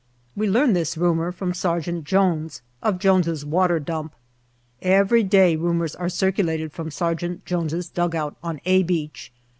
We learn this rumour from Sergeant Jones, of Jones's water dump. Every day rumours are circulated from Sergeant Jones's dugout on " A " Beach.